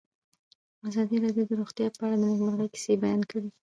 ازادي راډیو د روغتیا په اړه د نېکمرغۍ کیسې بیان کړې.